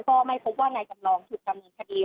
ก็ไม่พบว่านายจำลองถูกดำเนินคดี